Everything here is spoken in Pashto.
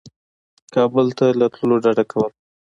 کابل ته له تللو ډده کوله.